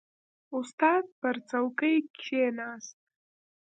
• استاد پر څوکۍ کښېناست.